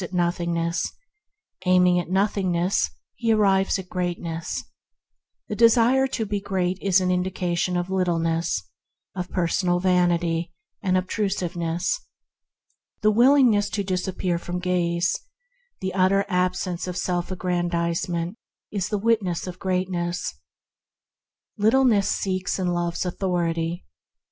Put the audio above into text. The selfish desire to be great is an indication of littleness, of personal vanity and obtrusive ness. The willingness to disappear from gaze, the utter absence of self aggrandize ment is the witness of greatness. Littleness seeks and loves authority.